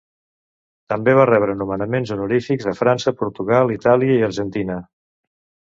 També va rebre nomenaments honorífics a França, Portugal, Itàlia i Argentina.